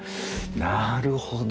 なるほど。